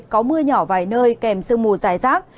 có mưa nhỏ vài nơi kèm sương mù dài rác